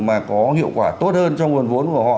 mà có hiệu quả tốt hơn trong nguồn vốn của họ